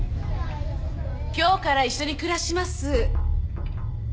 今日から一緒に暮らします。